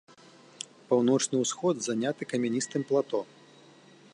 Паўночны ўсход заняты камяністым плато.